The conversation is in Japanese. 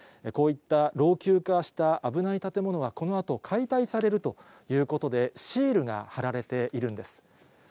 こういった老朽化した危ない建物は、このあと解体されるということで、シールが貼られているんです。